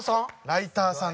ライターさん？